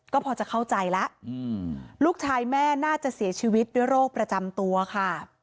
ก็พอจะเข้าใจแล้วลูกชายแม่น่าจะเสียชีวิตด้วยโรคประจำตัวค่ะ